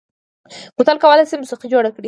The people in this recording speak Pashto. بوتل کولای شي موسيقي جوړ کړي.